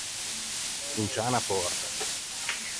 Sponciâ unna pòrta.